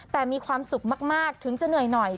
แต่มีความสุขมากถึงจะเหนื่อยหน่อย